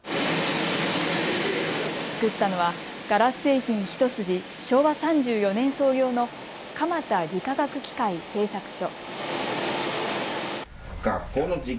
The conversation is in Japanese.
作ったのはガラス製品一筋、昭和３４年創業の鎌田理化学器械製作所。